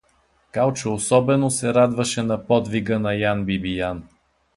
Калчо особено се радваше на подвига на Ян Бибиян.